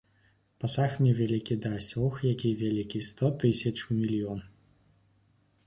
Пасаг мне вялікі дасць, ох, які вялікі!—сто, тысячу, мільён.